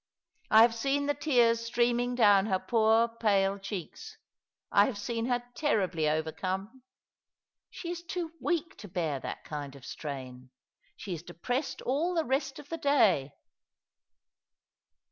I have seen the tears streaming down her poor pale cheeks ; I have seen her terribly overcome. She is too weak to bear that kind of strain. She is depressed all the rest of the day."